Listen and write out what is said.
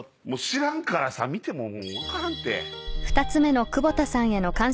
知らんからさ見ても分からんて。